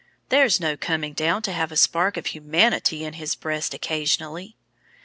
There's no 'coming down' to have a spark of humanity in his breast occasionally."